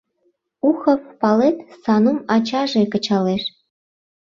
— Ухов, палет, Санум ачаже кычалеш.